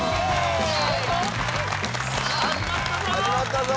さあ始まったぞ！